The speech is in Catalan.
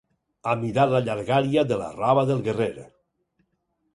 Amidar la llargària de la roba del guerrer.